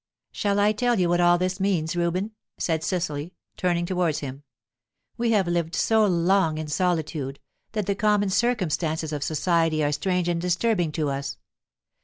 "Shall I tell you what all this means, Reuben?" said Cecily, turning towards him. "We have lived so long in solitude, that the common circumstances of society are strange and disturbing to us.